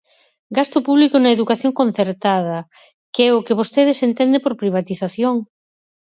Gasto público na educación concertada –que é o que vostedes entenden por privatización.